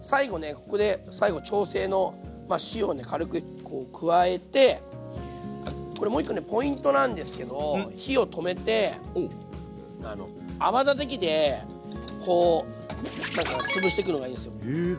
ここで最後調整の塩を軽く加えてこれもう１個ねポイントなんですけど火を止めて泡立て器でこうつぶしてくのがいいんですよ。へえ。